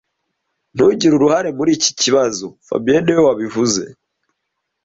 Ntugire uruhare muri icyo kibazo fabien niwe wabivuze